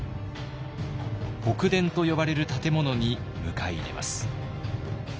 北殿と呼ばれる建物に迎え入れます。